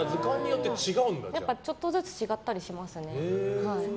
ちょっとずつ違ったりしますね。